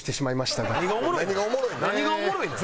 何がおもろいねん。